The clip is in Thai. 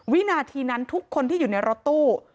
วินาทีนั้นทุกคนที่อยู่ในรถตู้